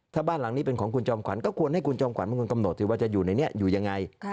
ถ้าบ้านหลังนี้เป็นของคุณจอมขวัญก็ควรให้คุณจอมขวัญเป็นคนกำหนดสิว่าจะอยู่ในนี้อยู่ยังไง